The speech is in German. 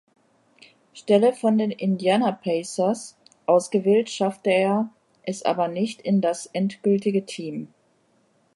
Stelle von den Indiana Pacers ausgewählt, schaffte es aber nicht in das endgültige Team.